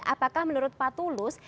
apakah menurut pak tulus